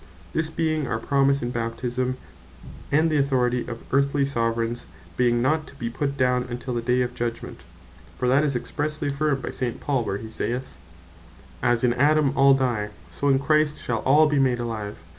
This, being our promise in Baptisme; and the Authority of Earthly Soveraigns being not to be put down till the day of Judgment; (for that is expressely affirmed by S. Paul 1 Cor. 15. 22, 23, 24. where he saith, "As in Adam all die, so in Christ all shall be made alive.